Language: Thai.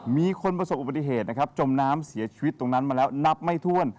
มีคนประสบอุบัติเหตุนะครับจมน้ำเสียชีวิตตรงนั้นมาแล้วนับไม่ถ้วน